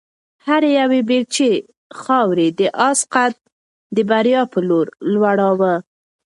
هرې یوې بیلچې خاورې د آس قد د بریا په لور لوړاوه.